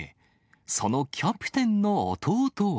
そのキャプテンの弟は。